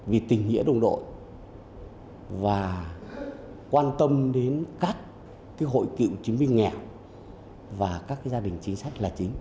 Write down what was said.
vì tình nghĩa đồng đội và quan tâm đến các cái hội cựu chiến binh nghẹo và các cái gia đình chính sách là chính